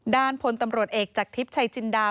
ด้านพลตำรวจเอกจากทิพย์ชัยจินดา